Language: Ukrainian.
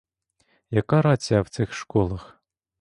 Яка рація в цих школах?